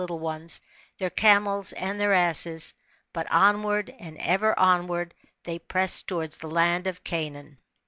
29 little ones, their camels aud their asses. But onvard and ever onward they pressod towards the land of Canaan.